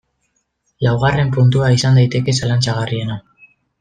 Laugarren puntua izan daiteke zalantzagarriena.